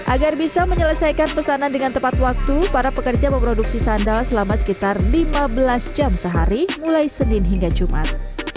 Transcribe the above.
agar bisa menyelesaikan pesanan dengan tepat waktu para pekerja memproduksi sandal selama sekitar lima belas jam sehari mulai senin hingga jumat